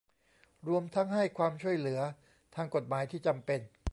รวมทั้งให้ความช่วยเหลือทางกฎหมายที่จำเป็น